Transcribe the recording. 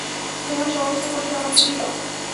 তোমার সমস্ত কষ্ট আমাকে দিয়ে দাও।